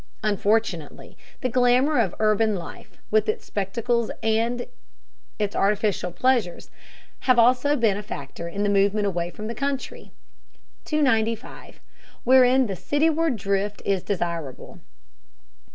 Unfortunately, the glamour of urban life, with its spectacles and its artificial pleasures, has also been a factor in the movement away from the country. 295. WHEREIN THE CITYWARD DRIFT IS DESIRABLE.